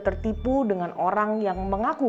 tertipu dengan orang yang mengaku